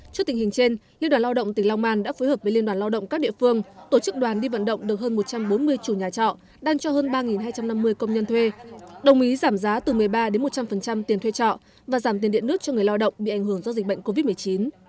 trước tình hình trên liên đoàn lao động tỉnh long an đã phối hợp với liên đoàn lao động các địa phương tổ chức đoàn đi vận động được hơn một trăm bốn mươi chủ nhà trọ đang cho hơn ba hai trăm năm mươi công nhân thuê đồng ý giảm giá từ một mươi ba đến một trăm linh tiền thuê trọ và giảm tiền điện nước cho người lao động bị ảnh hưởng do dịch bệnh covid một mươi chín